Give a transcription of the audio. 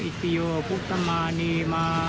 สวัสดีครับสวัสดีครับ